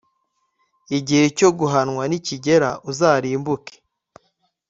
igihe cyo guhanwa nikigera, uzarimbuke